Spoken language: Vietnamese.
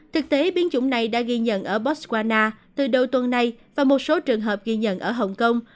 thực tế biến chủng này đã ghi nhận ở botswana từ đầu tuần này và một số trường hợp ghi nhận ở hồng kông